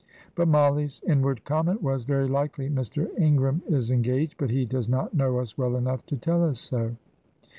But Mollie's inward comment was, "Very likely Mr. Ingram is engaged, but he does not know us well enough to tell us so."